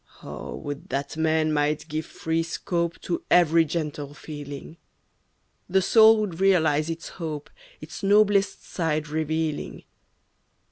Oh, would that man might give free scope To every gentle feeling! The soul would realize its hope Its noblest side revealing.